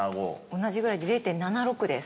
同じぐらいで０．７６です。